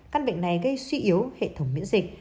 căn bệnh này gây suy yếu hệ thống miễn dịch